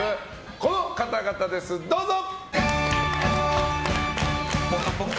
この方々です、どうぞ！